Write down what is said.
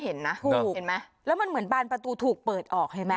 เห็นไหมถูกเห็นไหมแล้วมันเหมือนบานประตูถูกเปิดออกเห็นไหม